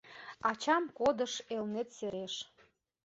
Ачам кодыш Элнет сереш